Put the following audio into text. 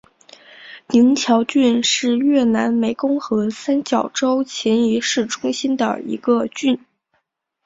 宁桥郡是越南湄公河三角洲芹苴市中心的一个郡。